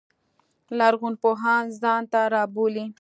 لرغون پوهان ځان ته رابولي.